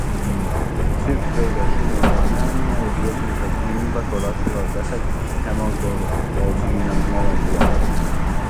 Sirpjveida šūnu anēmija ir iedzimta slimība, ko raksturo defekts hemoglobīna molekulā.